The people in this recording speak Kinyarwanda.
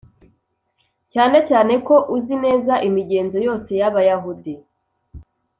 cyane cyane ko uzi neza imigenzo yose y Abayahudi